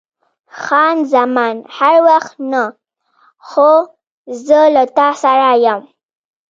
خان زمان: هر وخت نه، خو زه له تا سره یم.